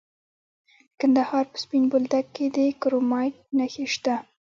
د کندهار په سپین بولدک کې د کرومایټ نښې شته.